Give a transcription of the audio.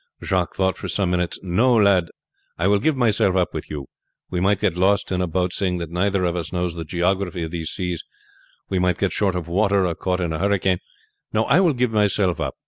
Jacques thought for some minutes. "No, lad; I will give myself up with you. We might get lost in a boat, seeing that neither of us know the geography of these seas; we might get short of water, or caught in a hurricane. No, I will give myself up.